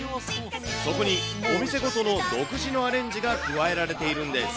そこにお店ごとの独自のアレンジが加えられているんです。